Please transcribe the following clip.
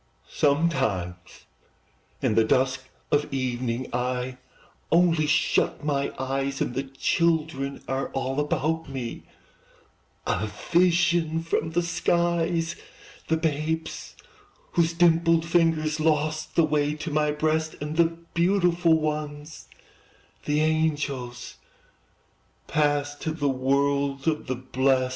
Sometimes, in the dusk of evening, I only shut my eyes, And the children are all about me, A vision from the skies: The babes whose dimpled fingers Lost the way to my breast, And the beautiful ones, the angels, Passed to the world of the blest.